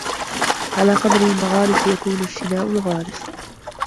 عَلَى قَدْرِ الْمَغَارِسِ يَكُونُ اجْتِنَاءُ الْغَارِسِ